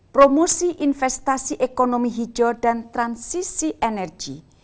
promosi investasi ekonomi hijau dan transisi energi